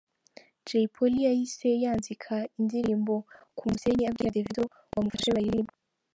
Jay Polly yahise yanzika n’indirimbo ‘Ku musenyi’ abwira Davido ngo amufashe bayiririmbe.